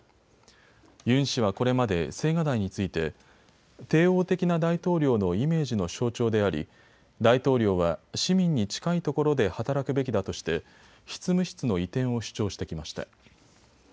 ユン氏はこれまで青瓦台について帝王的な大統領のイメージの象徴であり大統領は市民に近いところで働くべきだとして執務室の移転を主張してきました。